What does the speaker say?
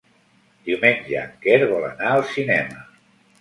Diumenge en Quer vol anar al cinema.